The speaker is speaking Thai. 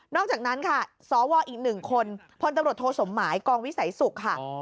นอกจากนั้นค่ะสวอีกหนึ่งคนพตสมกองวิสัยศุกร์ค่ะ